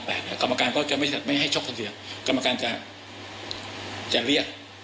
แต่ถ้ามีอาการส่งกลัวที่ไม่ดี